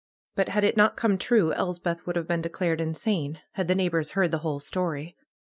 But had it not come true, Elspeth would have been declared insane, had the neighbors heard the whole story.